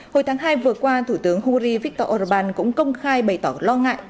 hồi tháng hai vừa qua thủ tướng hungary viktor orbán cũng công khai bày tỏ lo ngại